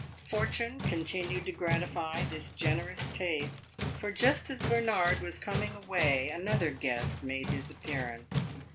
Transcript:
Fortune continued to gratify this generous taste; for just as Bernard was coming away another guest made his appearance.